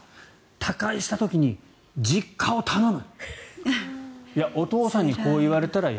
他界した時に実家を頼む。